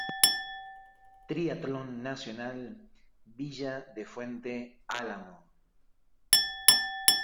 Triatlón Nacional "Villa de Fuente Álamo".